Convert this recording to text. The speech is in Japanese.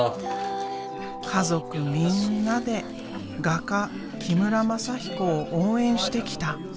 家族みんなで画家木村全彦を応援してきた。